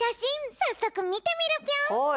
さっそくみてみるぴょん。